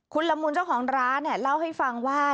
คุณละมูลเจ้าของร้านเล่าให้ฟังว่า